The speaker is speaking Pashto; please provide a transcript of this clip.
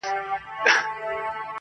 o چيري چي زړه ځي، هلته پښې ځي٫